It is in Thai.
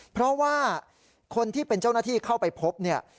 เพราะว่าคนที่เป็นเจ้าหน้าที่เข้าไปพบเนี่ย